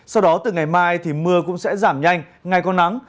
sau đó từ ngày mai thì mưa cũng sẽ giảm nhanh ngày có nắng